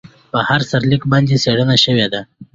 په هر سرلیک باندې څېړنه شوې ده.